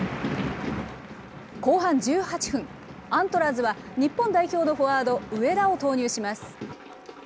後半１８分、アントラーズは日本代表のフォワード、上田を投入します。